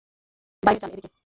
বাহিরে যান এদিকে!